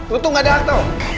lo tuh gak ada hak tau